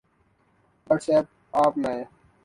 what's app آپ نئے